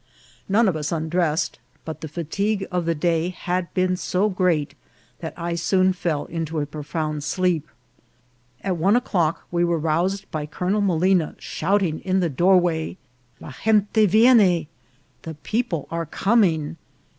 None of us undressed, but the fatigue of the day had been so great that I soon fell into a profound sleep. At one o'clock we were roused by Colonel Molina shouting in the doorway " La gente vienne !"" The people are coming!"